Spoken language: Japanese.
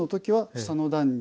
下の段に。